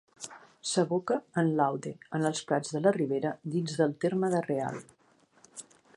S'aboca en l'Aude en els Prats de la Ribera, dins del terme de Real.